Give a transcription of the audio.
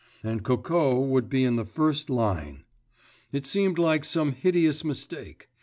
—and Coco would be in the first line! It seemed like some hideous mistake.